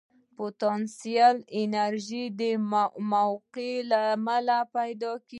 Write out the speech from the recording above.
پوتانسیلي انرژي د موقف له امله پیدا کېږي.